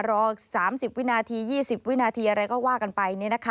รอ๓๐วินาที๒๐วินาทีอะไรก็ว่ากันไป